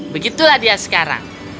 begitulah dia sekarang